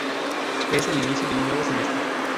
Es el inicio de un nuevo semestre.